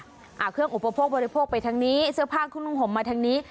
ของเครื่องอุปกรณ์ผลปกฎิโภคไปทั้งนี้เสื้อผ้าของคุณหอมมาทางนี้